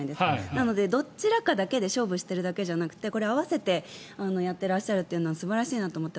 なので、どちらかだけで勝負しているだけじゃなくてこれを合わせてやってらっしゃるのは素晴らしいなと思って。